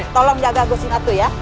tolong jaga gosinatu ya